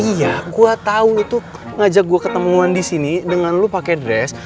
iya gue tau tuh ngajak gue ketemuan di sini dengan lo pake dress